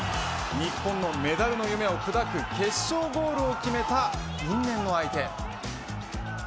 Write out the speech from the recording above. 日本のメダルの夢を砕く決勝ゴールを決めた因縁の相手。